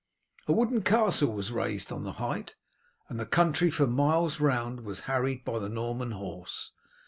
A wooden castle was raised on the height, and the country for miles round was harried by the Norman horse.